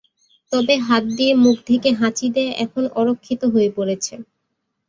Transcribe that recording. তবে হাত দিয়ে মুখ ঢেকে হাঁচি দেয়া এখন অরক্ষিত হয়ে পড়েছে।